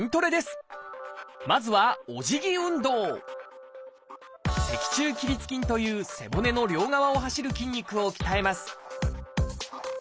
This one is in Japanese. まずは「脊柱起立筋」という背骨の両側を走る筋肉を鍛えます